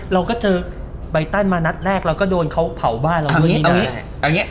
เราก็เจอใบตันมานัดแรกเราก็โดนเขาเผาบ้านเรานี่แหละ